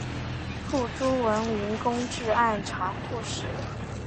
父朱文云官至按察副使。